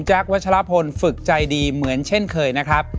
วัชลพลฝึกใจดีเหมือนเช่นเคยนะครับ